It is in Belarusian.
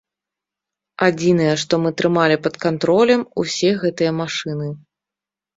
Адзінае, што мы трымалі пад кантролем, усе гэтыя машыны.